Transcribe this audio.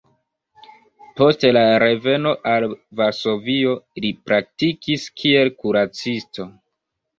Post la reveno al Varsovio li praktikis kiel kuracisto.